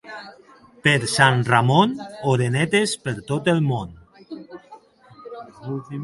Per Sant Ramon, orenetes per tot el món.